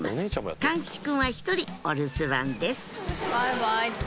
貫吉くんは１人お留守番です